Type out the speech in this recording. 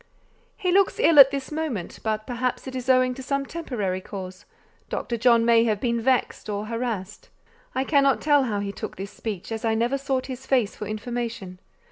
"He looks ill at this moment; but perhaps it is owing to some temporary cause: Dr. John may have been vexed or harassed." I cannot tell how he took this speech, as I never sought his face for information.